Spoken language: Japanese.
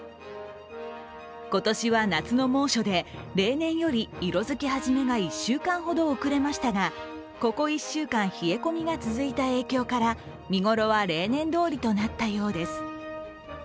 今年は夏の猛暑で、例年より色づきはじめが１週間ほど遅れましたがここ１週間、冷え込みが続いた影響から見頃は例年どおりとなったようです。